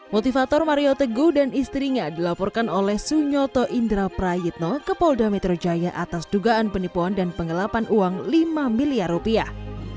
motivator mario teguh dan istrinya dilaporkan oleh sunyoto indra prayitno ke polda metro jaya atas dugaan penipuan dan pengelapan uang lima miliar rupiah